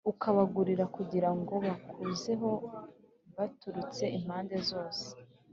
ukabagurira kugira ngo bakuzeho baturutse impande zose